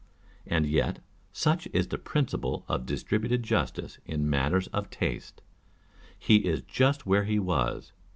And yet (such is the principle of distributive justice in matters of taste) he is just where he was.